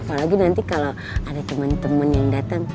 apalagi nanti kalau ada temen temen yang datang